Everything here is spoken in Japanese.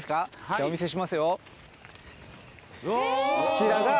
こちらが。